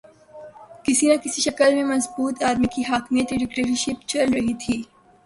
کسی نہ کسی شکل میں مضبوط آدمی کی حاکمیت یا ڈکٹیٹرشپ چل رہی تھی۔